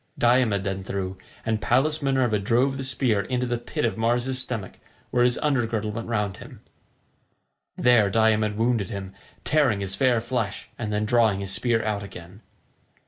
Diomed then threw, and Pallas Minerva drove the spear into the pit of Mars's stomach where his under girdle went round him. There Diomed wounded him, tearing his fair flesh and then drawing his spear out again.